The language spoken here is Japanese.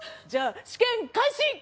じゃあ試験開始！